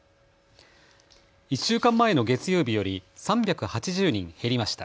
１週間前の月曜日より３８０人減りました。